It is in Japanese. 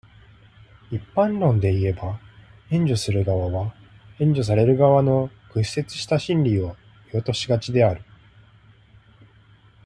一般論でいえば、援助する側は、援助される側の屈折した心理を見落としがちである。